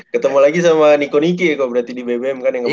ketemu lagi sama niko niki kok berarti di bbm kan yang kemarin